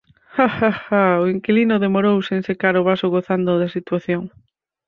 Ha, ha, ha _o inquilino demorouse en secar o vaso gozando da situación_.